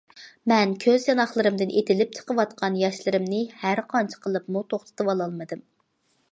مەن كۆز چاناقلىرىمدىن ئېتىلىپ چىقىۋاتقان ياشلىرىمنى ھەر قانچە قىلىپمۇ توختىتىۋالالمىدىم.